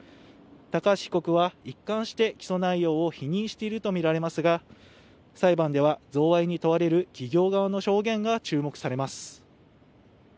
高橋被告は一貫して起訴内容を否認しているとみられますが裁判では贈賄に問われる企業側の証言が注目されます。